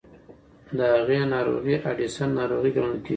د هغې ناروغۍ اډیسن ناروغي ګڼل کېږي.